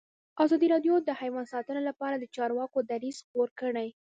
ازادي راډیو د حیوان ساتنه لپاره د چارواکو دریځ خپور کړی.